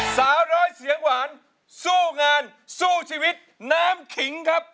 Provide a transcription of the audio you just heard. สาวน้อยเสียงหวานสู้งานสู้ชีวิตน้ำขิงครับ